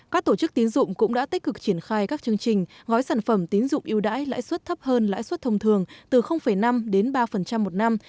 các tổ chức tín dụng cũng đã tích cực triển khai các chương trình gói sản phẩm tín dụng yêu đãi lãi suất thấp hơn lãi suất thông thường từ năm đến ba một năm